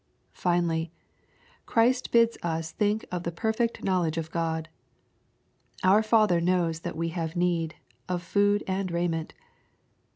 Finally, Christ bids us think of the perfect knowledge of God. " Our Father knows that we have need" of food and raiment.